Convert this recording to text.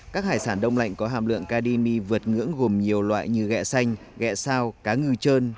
các hải sản đông lạnh có hàm lượng cademy vượt ngưỡng gồm nhiều loại như gẹ xanh gẹ sao cá ngư trơn